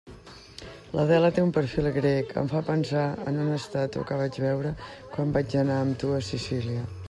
L'Adela té un perfil grec, em fa pensar en una estàtua que vaig veure quan vaig anar amb tu a Sicília.